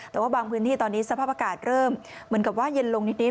แต่ว่าบางพื้นที่ตอนนี้สภาพอากาศเริ่มเหมือนกับว่าเย็นลงนิด